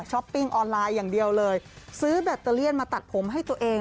ปิ้งออนไลน์อย่างเดียวเลยซื้อแบตเตอเลียนมาตัดผมให้ตัวเอง